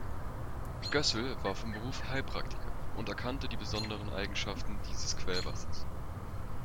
Gössel war von Beruf Heilpraktiker und erkannte die besonderen Eigenschaften dieses Quellwassers.